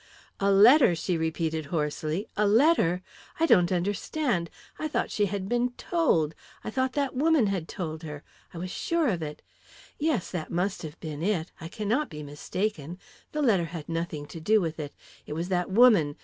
"A letter!" she repeated hoarsely. "A letter! I don't understand. I thought she had been told I thought that woman had told her I was sure of it. Yes that must have been it I cannot be mistaken the letter had nothing to do with it. It was that woman.